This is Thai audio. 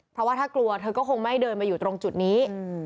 เพราะว่าถ้ากลัวเธอก็คงไม่เดินมาอยู่ตรงจุดนี้